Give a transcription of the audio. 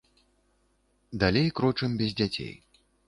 Далей крочым без дзяцей.